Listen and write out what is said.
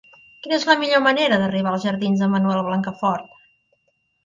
Quina és la millor manera d'arribar als jardins de Manuel Blancafort?